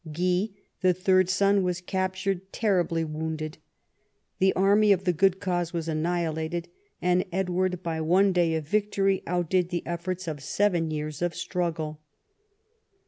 Guy, the third son, was captured terribly wounded. The army of the good cause was annihilated, and Edward by one day of victory undid the efforts of seven years of struggle.